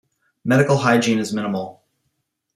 Medical hygiene is minimal.